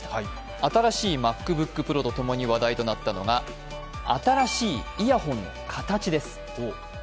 新しいＭａｃＢｏｏｋＰｒｏとともに話題となったのが新しいイヤホンの形です。